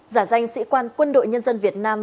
giả danh sĩ quan quân đội nhân dân việt nam